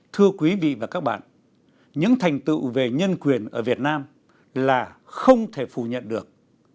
thưa quý vị và các bạn những thành tựu về nhân quyền ở việt nam là không thể phủ nhận được